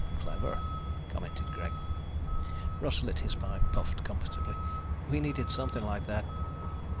"Clever," commented Greg. Russ lit his pipe, puffed comfortably. "We needed something like that."